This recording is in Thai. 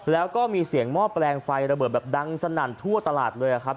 แล้วก็มีเสียงหม้อแปลงไฟระเบิดแบบดังสนั่นทั่วตลาดเลยครับ